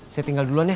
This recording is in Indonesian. saya tinggal duluan ya